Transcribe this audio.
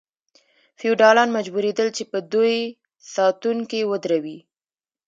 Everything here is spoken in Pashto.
فیوډالان مجبوریدل چې په دوی ساتونکي ودروي.